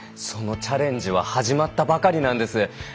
そのチャレンジは始まったばかりなんです。